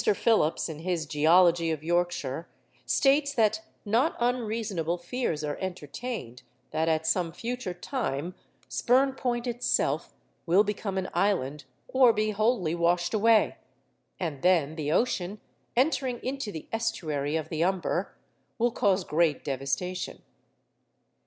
Phillips, in his 'Geology of Yorkshire,' states that not unreasonable fears are entertained that, at some future time, Spurn Point itself will become an island, or be wholly washed away, and then the ocean, entering into the estuary of the Humber, will cause great devastation.